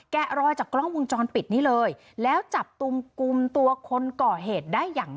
แกะรอยจากกล้องวงจรปิดนี้เลยแล้วจับกลุ่มตัวคนก่อเหตุได้อย่าง